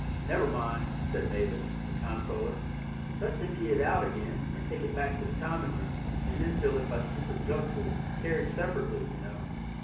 "Never mind," said Mavis, the consoler; "let's empty it out again and take it back to the common room, and then fill it by secret jugfuls, carried separately, you know."